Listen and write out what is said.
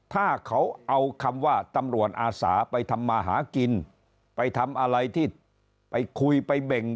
ถ้าเขาเอาคำว่าตำรวจอาสาไปทำมาหากินไปทำอะไรที่ไปคุยไปเบ่ง